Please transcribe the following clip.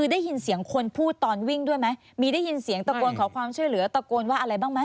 ได้ยินเสียงคนพูดตอนวิ่งด้วยไหมมีได้ยินเสียงตะโกนขอความช่วยเหลือตะโกนว่าอะไรบ้างไหม